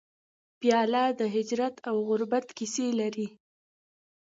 پیاله د هجرت او غربت کیسې لري.